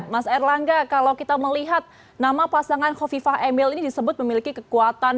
mas erlangga kalau kita melihat nama pasangan kofifah emil ini disebut memiliki kekuatan